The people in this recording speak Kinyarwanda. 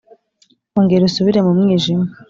ongera usubire mu mwijima.